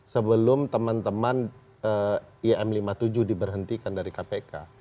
sebelum teman teman im lima puluh tujuh diberhentikan dari kpk